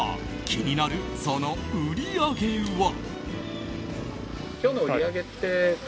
気になるその売り上げは。